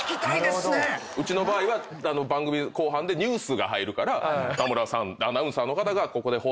うちの場合は番組後半でニュースが入るから田村さんアナウンサーの方が。